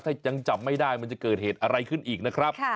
ถ้ายังจับไม่ได้มันจะเกิดเหตุอะไรขึ้นอีกนะครับ